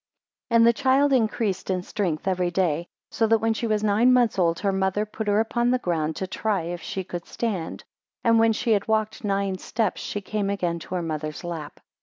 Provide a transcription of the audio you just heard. AND the child increased in strength every day, so that when she was nine months old, her mother put her upon the ground, to try if she could stand; and when she had walked nine steps, she came again to her mother's lap.